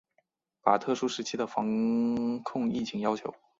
把特殊时期的防控疫情要求